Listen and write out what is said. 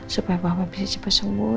supaya papa bisa cepat sembuh